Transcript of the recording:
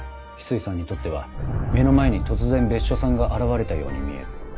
翡翠さんにとっては目の前に突然別所さんが現れたように見える。